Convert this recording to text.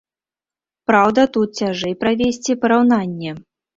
Праўда, тут цяжэй правесці параўнанне.